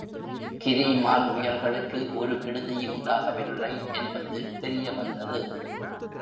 கிரீமால் முயல்களுக்கு ஒரு கெடுதியும் உண்டாகவில்லை என்பது தெரியவந்தது.